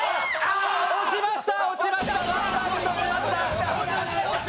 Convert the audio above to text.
落ちました！